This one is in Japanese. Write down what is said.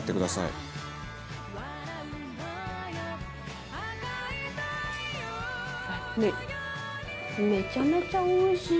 藤本：めちゃめちゃおいしい！